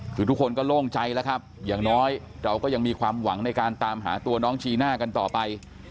คือทุกคนก็โล่งใจแล้วครับอย่างน้อยเราก็ยังมีความหวังในการตามหาตัวน้องจีน่ากันต่อไป